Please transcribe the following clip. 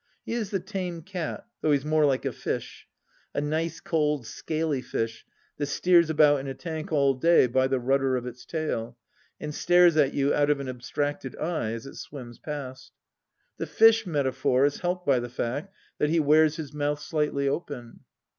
He is the tame cat, though he's more like a fish : a nice cold scaly fish, that steers about in a tank all day by the rudder of its tail, and stares at you out of an abstracted eye, as it swims past. The fish metaphor is helped by the fact that he wears his mouth slightly open.